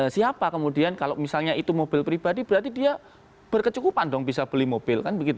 siapa kemudian kalau misalnya itu mobil pribadi berarti dia berkecukupan dong bisa beli mobil